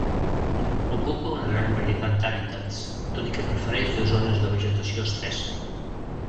Ocupa una gran varietat d'hàbitats, tot i que prefereix les zones de vegetació espessa.